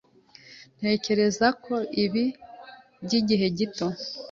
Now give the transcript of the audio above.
Ntekereza ko ibi byigihe gito.